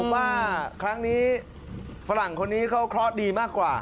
ว่าครั้งนี้ฝรั่งคนนี้เขาเคราะห์ดีมากกว่า